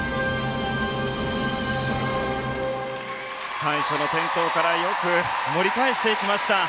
最初の転倒からよく盛り返していきました。